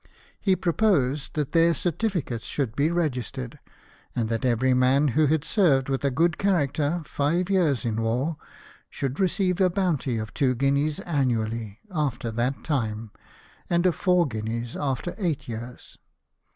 He proposed that their certificates should be registered, and that every man who had served, with a good character, fiYQ years in war, should receive a bounty of two guineas annually after that time, and of four guineas after eight years.